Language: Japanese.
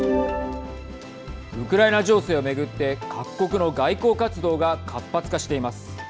ウクライナ情勢を巡って各国の外交活動が活発化しています。